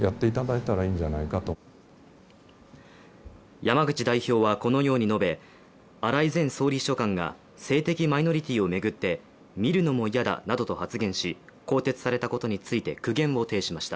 山口代表はこのように述べ荒井前総理秘書官が性的マイノリティーを巡って見るのも嫌だなどと発言し、更迭されたことについて苦言を呈しました。